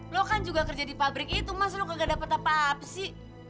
lo kan juga kerja di pabrik itu mas lo kok gak dapat apa apa sih